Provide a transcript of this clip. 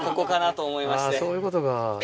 そういうことか。